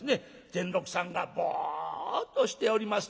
善六さんがぼっとしております